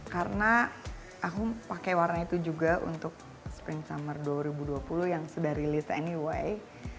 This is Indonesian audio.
karena aku pakai warna itu juga untuk spring summer dua ribu dua puluh yang sudah rilis anyway